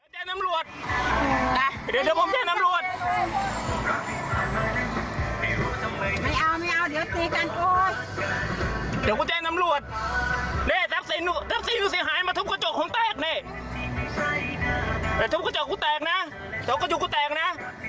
ทุบกระจกของแตกเนี่ยทุบกระจกของแตกนะทุบกระจกของแตกนะ